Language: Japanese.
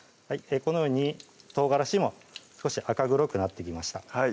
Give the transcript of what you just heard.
このように唐辛子も少し赤黒くなってきました